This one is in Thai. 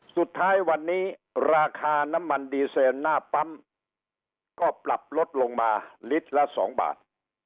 สุดท้ายวันนี้ราคาน้ำมันดีเซลหน้าปั๊มก็ปรับลดลงมาลิตรละ๒บาท